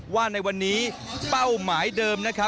ว่าในวันนี้เป้าหมายเดิม